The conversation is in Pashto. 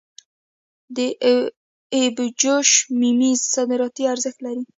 د ابجوش ممیز صادراتي ارزښت لري.